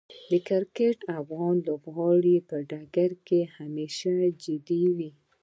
د کرکټ افغان لوبغاړي په ډګر کې همیشه جدي دي.